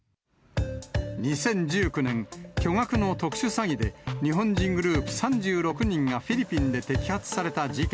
２０１９年、巨額の特殊詐欺で、日本人グループ３６人がフィリピンで摘発された事件。